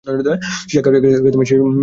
সে একা পারবে না।